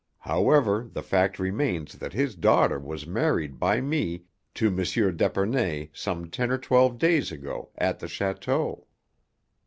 However, the fact remains that his daughter was married by me to M. d'Epernay some ten or twelve days ago at the château.